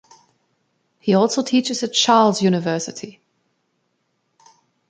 He also teaches at Charles University.